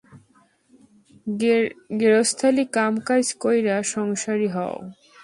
গেরস্তালি কাম কাইজ কইরা সোংসারি হও।